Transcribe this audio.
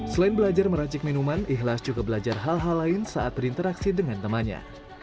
selain belajar meracik minuman ikhlas juga belajar hal hal lain saat berinteraksi dengan temannya